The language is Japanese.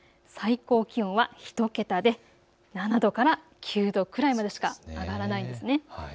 最高気温は１桁で７度から９度くらいまでしか上がらないんですね。